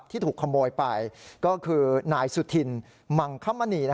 ที่ถูกขโมยไปก็คือนายสุธินมังคมณี